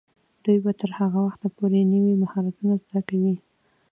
دوی به تر هغه وخته پورې نوي مهارتونه زده کوي.